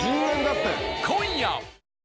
今夜！